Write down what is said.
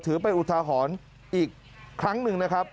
ถือไปอุทหรณ์อีกครั้งนึงนะครับ